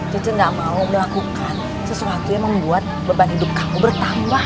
cici gak mau melakukan sesuatu yang membuat beban hidup kamu bertambah